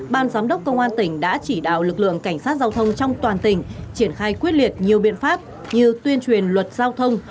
ban giám đốc công an tỉnh đã chỉ đạo lực lượng cảnh sát giao thông trong toàn tỉnh triển khai quyết liệt nhiều biện pháp như tuyên truyền luật giao thông